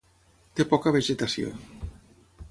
Té poca vegetació.